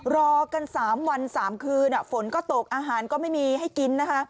รอกัน๓วัน๓คืนฝนก็ตกอาหารก็ไม่มีให้กินนะคะ